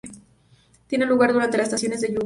Tiene lugar durante la estación de lluvias.